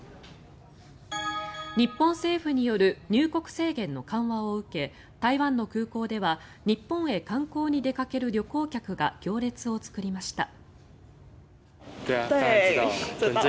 日本政府による入国制限の緩和を受け台湾の空港では日本へ観光に出かける旅行客が行列を作りました。